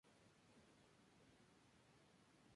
Empiezan a finales de octubre y se alargan hasta abril o mayo.